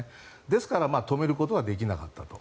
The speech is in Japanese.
ですから止めることはできなかったと。